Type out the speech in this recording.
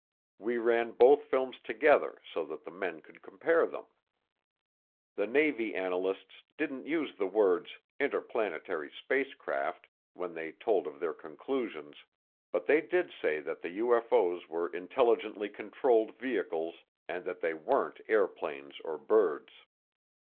We ran both films together so that the men could compare them. The Navy analysts didn't use the words "interplanetary spacecraft" when they told of their conclusions, but they did say that the UFO's were intelligently controlled vehicles and that they weren't airplanes or birds.